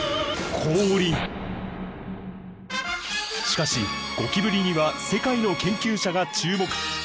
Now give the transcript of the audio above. しかしゴキブリには世界の研究者が注目！